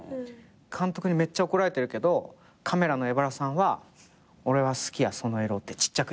監督にめっちゃ怒られてるけどカメラの江原さんは「俺は好きやその色」ってちっちゃく言って。